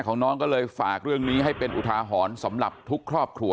ของน้องก็เลยฝากเรื่องนี้ให้เป็นอุทาหรณ์สำหรับทุกครอบครัว